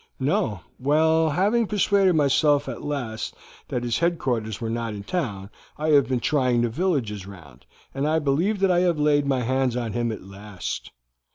"No. Well, having persuaded myself at last that his headquarters were not in town, I have been trying the villages round, and I believe that I have laid my hands on him at last."